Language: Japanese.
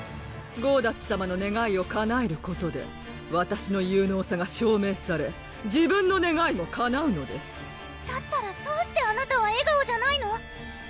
ゴーダッツさまのねがいをかなえることでわたしの有能さが証明され自分のねがいもかなうのですだったらどうしてあなたは笑顔じゃないの？